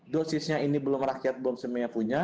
dosisnya ini belum rakyat bomsmea punya